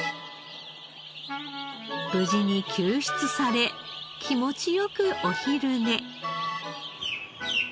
無事に救出され気持ち良くお昼寝。